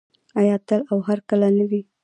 آیا تل او هرکله نه وي؟